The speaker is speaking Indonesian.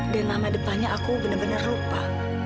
dan nama depannya aku bener bener lupa